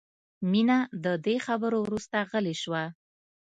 مینه د دې خبرو وروسته غلې شوه